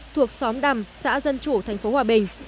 thuộc xóm đầm xã dân chủ tp hòa bình